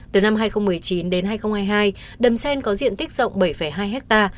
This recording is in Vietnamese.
từ năm hai nghìn một mươi chín đến hai nghìn hai mươi hai đầm sen có diện tích rộng bảy hai ha